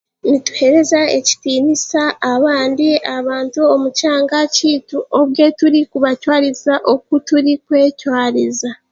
Nituheereza ekitiinisa abandi abantu omu kyanga kyaitu obwe turikubatwariza oku turikwetwariza